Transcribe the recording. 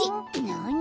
なに？